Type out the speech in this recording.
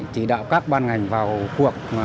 chỉ đạo các ban ngành vào cuộc